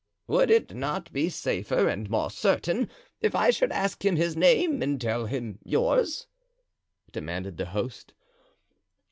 "Would it not be safer and more certain if I should ask him his name and tell him yours?" demanded the host.